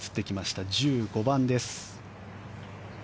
１５番です。